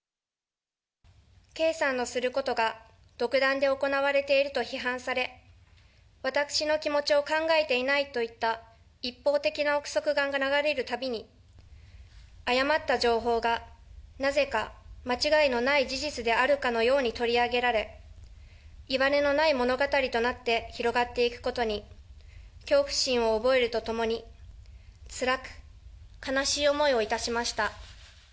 圭さんのすることが独断で行われていると批判され、私の気持ちを考えていないといった、一方的な臆測が流れるたびに、誤った情報がなぜか間違いのない事実であるかのように取り上げられ、いわれのない物語となって広がっていくことに、恐怖心を覚えるとともに、つらく悲しい思いをいたしました。